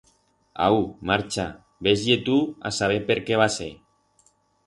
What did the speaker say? Au, marcha, ves-ie tu a saber per qué va ser.